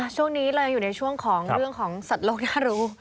ช่วงนี้เรายังอยู่ในช่วงของเรื่องของสัตว์โลกน่ารู้